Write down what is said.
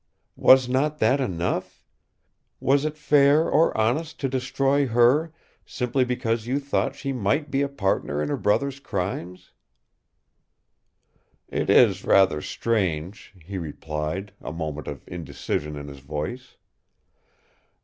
Was not that enough? Was it fair or honest to destroy her simply because you thought she might be a partner in her brother's crimes?" "It is rather strange," he replied, a moment of indecision in his voice.